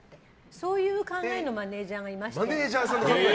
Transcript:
そういう考えのマネジャーがいまして。